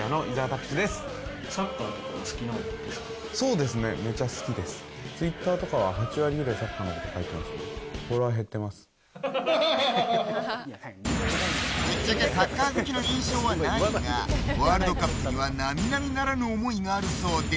ぶっちゃけサッカー好きの印象はないがワールドカップには並々ならぬ思いがあるそうで。